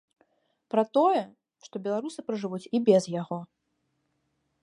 Пра тое, што беларусы пражывуць і без яго.